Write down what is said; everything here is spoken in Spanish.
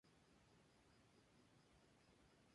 Tiene una larga cola y crines que agita el viento.